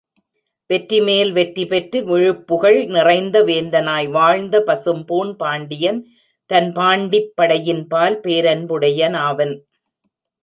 வெற்றிமேல் வெற்றி பெற்று விழுப்புகழ் நிறைந்த வேந்தனாய் வாழ்ந்த பசும்பூண் பாண்டியன், தன் பாண்டிப் படையின்பால் பேரன்புடையனாவன்.